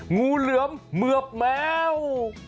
งูเหลวเมือบแมว